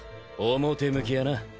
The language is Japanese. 表向きはな。